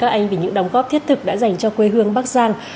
cảm ơn các anh vì những đóng góp thiết thực đã dành cho quê hương bác giang